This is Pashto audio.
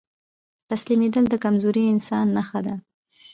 تسليمېدل د کمزوري انسان نښه ده.